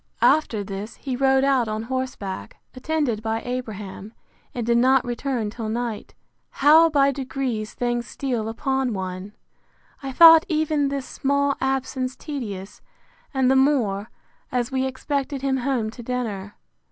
After this, he rode out on horseback, attended by Abraham, and did not return till night. How by degrees things steal upon one! I thought even this small absence tedious; and the more, as we expected him home to dinner.